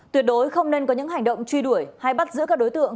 tuyệt đối không nên có những hành động truy đuổi hay bắt giữ các đối tượng